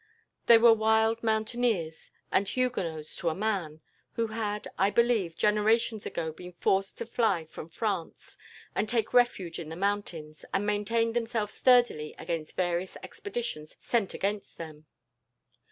They were wild mountaineers, and Huguenots to a man, who had, I believe, generations ago been forced to fly from France and take refuge in the mountains, and maintained themselves sturdily against various expeditions sent against them.